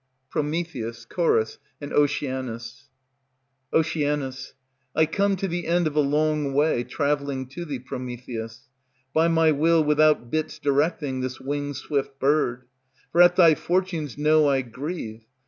PROMETHEUS, CHORUS, and OCEANUS. Oc. I come to the end of a long way Traveling to thee, Prometheus, By my will without bits directing This wing swift bird; For at thy fortunes know I grieve.